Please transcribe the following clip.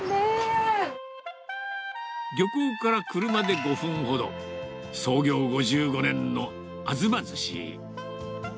漁港から車で５分ほど、創業５５年のあづま寿司。